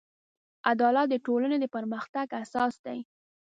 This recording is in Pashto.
عدالت د ټولنې د پرمختګ اساس دی.